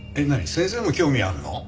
先生も興味あるの？